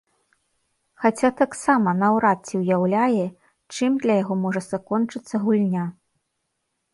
Хаця таксама наўрад ці ўяўляе, чым для яго можа закончыцца гульня.